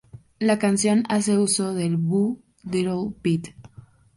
La canción hace uso del Bo Diddley beat.